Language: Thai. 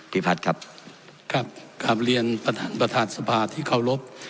พิพัฒน์ครับครับกลับเรียนประธานประธานสภาที่เคารพ